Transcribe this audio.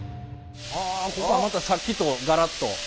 あここはまたさっきとガラッと。